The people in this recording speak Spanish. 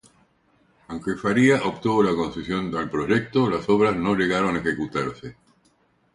Aunque Faria obtuvo la concesión al proyecto, las obras no llegaron a ejecutarse.